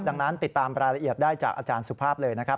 ดังนั้นติดตามรายละเอียดได้จากอาจารย์สุภาพเลยนะครับ